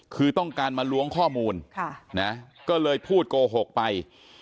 คือต้องการมาล้วงข้อมูลก็เลยพูดโกหกไป